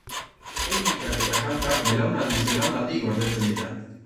Teknikak eta kantak belaunaldiz belaunaldi gordetzen dira.